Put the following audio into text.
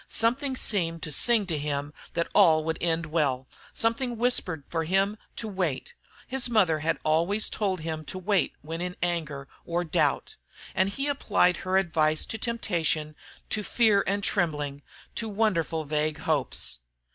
Something seemed to sing to him that all would end well; something whispered for him to wait. His mother had always told him to wait when in anger or doubt. And he applied her advice to temptation, to fear and trembling, to wonderful vague hopes.